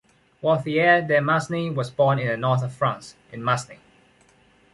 Wauthier de Masny was born in the North of France, in Masny.